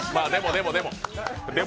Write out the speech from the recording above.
でもでも。